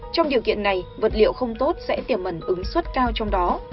trong điều kiện này vật liệu không tốt sẽ tiềm mẩn ứng xuất cao trong đó